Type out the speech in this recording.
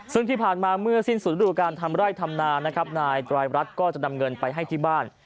ซึ่งที่ผ่านมาเมื่อสิ้นสุดดูการทำไร่ทำนานะครับนายไตรรัฐก็จะนำเงินไปให้ที่บ้าน